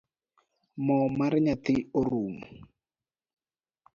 Mo mar nyathi orumo